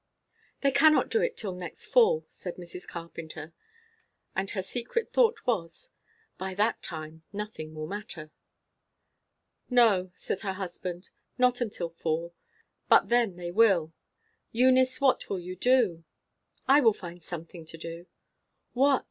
"They cannot do it till next fall," said Mrs. Carpenter; and her secret thought was, By that time, nothing will matter! "No," said her husband, "not until fall. But then they will. Eunice, what will you do?" "I will find something to do." "What?